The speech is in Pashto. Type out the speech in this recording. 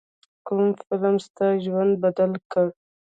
کوم فلم ستا ژوند بدل کړ.